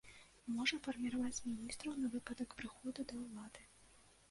Можа фарміраваць міністраў на выпадак прыходу да ўлады.